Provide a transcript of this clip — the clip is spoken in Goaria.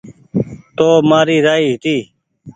تو مآري رآئي هيتي